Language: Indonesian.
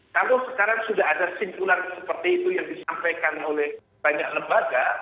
kalau sekarang sudah ada simpulan seperti itu yang disampaikan oleh banyak lembaga